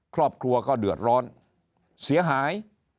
ครอบครัวก็เดือดร้อนเสียหาย